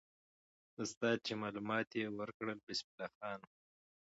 استاد چې معلومات یې ورکړل، بسم الله خان وو.